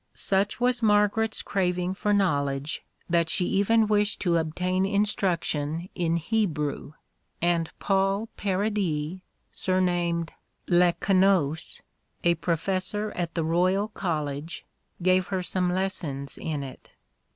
Such was Margaret's craving for knowledge that she even wished to obtain instruction in Hebrew, and Paul Paradis, surnamed Le Canosse, a professor at the Royal College, gave her some lessons in it.